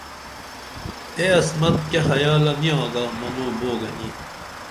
اے عصمت کیہ خیالہ نی آگا منوں بُوگنی